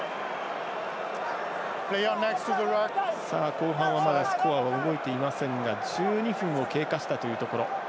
後半は、まだスコアは動いていませんが１２分を経過したところ。